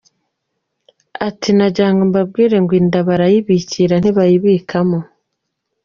Ati “Nagira ngo mbabwire ngo inda barayibikira ntibayibikamo.